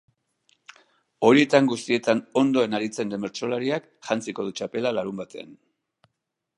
Horietan guztietan ondoen aritzen den bertsolariak jantziko du txapela larunbatean.